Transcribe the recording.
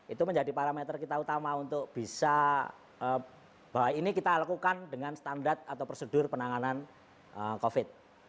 itu menjadi parameter kita utama untuk bisa bahwa ini kita lakukan dengan standar atau prosedur penanganan covid